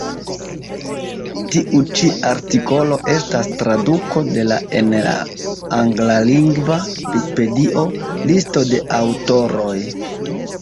Tiu ĉi artikolo estas traduko de la en la anglalingva vikipedio, listo de aŭtoroj.